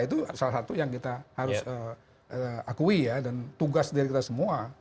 itu salah satu yang kita harus akui ya dan tugas dari kita semua